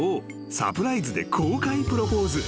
サプライズで公開プロポーズ］